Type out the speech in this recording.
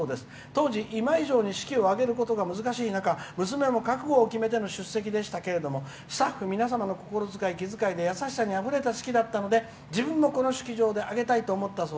当時、今以上に式を挙げることが難しい中、娘も覚悟を決めての出席でしたけどスタッフの皆様の心遣い気遣いにあふれた式だったので自分も、この式場で挙げたいと思いました。